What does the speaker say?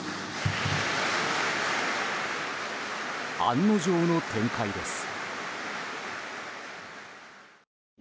案の定の展開です。